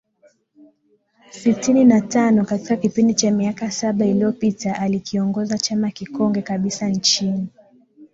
sitini na tano katika kipindi cha miaka saba iliyopita alikiongoza chama kikongwe kabisa nchini